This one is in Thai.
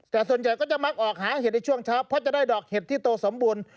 แต่ส่วนใหญ่ก็จะมักออกหาเห็ดในช่วงเช้าเพราะจะได้ดอกเห็ดที่โตสมบูรณ์